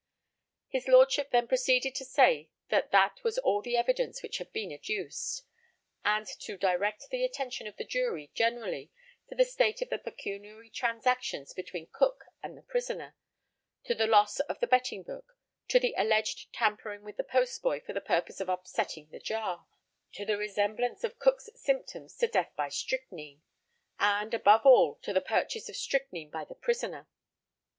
His Lordship then proceeded to say that that was all the evidence which had been adduced; and to direct the attention of the jury generally to the state of the pecuniary transactions between Cook and the prisoner, to the loss of the betting book to the alleged tampering with the post boy for the purpose of upsetting the jar to the resemblance of Cook's symptoms to death by strychnine and, above all, to the purchase of strychnine by the prisoner.